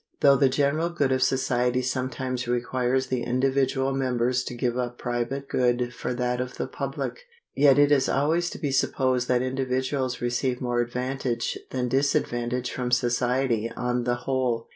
Though the general good of society sometimes requires the individual members to give up private good for that of the public, yet it is always to be supposed that individuals receive more advantage than disadvantage from society, on the whole.